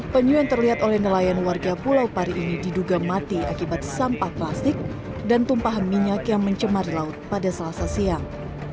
penyu yang terlihat oleh nelayan warga pulau pari ini diduga mati akibat sampah plastik dan tumpahan minyak yang mencemar laut pada selasa siang